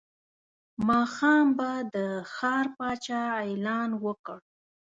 ماښام به د ښار پاچا اعلان وکړ.